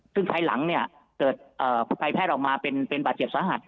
ซึ่งภายหลังเนี่ยเกิดภัยแพทย์ออกมาเป็นบาดเจ็บสาหัส